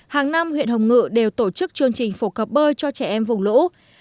hàng năm huyện hồng ngự đều tổ chức chương trình phổ cập bơi cho trẻ em vùng lũ